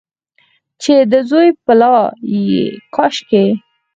چې د زوی پلا یې کاشکي،